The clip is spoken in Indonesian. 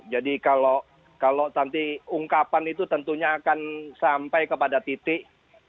jadi kalau nanti ungkapan itu tentunya akan sampai kepada titik